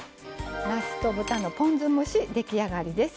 なすと豚のポン酢蒸し出来上がりです。